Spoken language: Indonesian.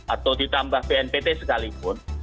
atau ditambah bnpt sekalipun